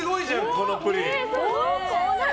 このプリン。